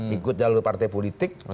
ikut jalur partai politik